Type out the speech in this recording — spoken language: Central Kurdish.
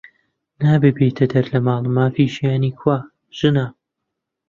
نابێ بێتە دەر لە ماڵ، مافی ژیانی کوا؟ ژنە